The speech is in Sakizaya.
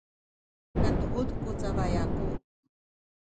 katuud ku cabay aku